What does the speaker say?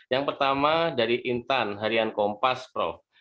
yang pertama dari intan harian kompas prof